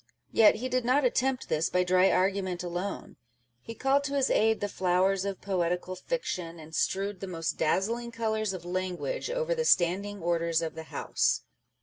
Yet he did not attempt this by dry argument alone ; he called to his aid the flowers of poetical fiction, and strewed the most dazzling colours of language over the Standing Orders of the House.